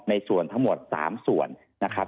ในส่วนทั้งหมด๓ส่วนนะครับ